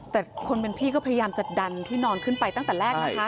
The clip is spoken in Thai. แต่คนเป็นพี่ก็พยายามจะดันที่นอนขึ้นไปตั้งแต่แรกนะคะ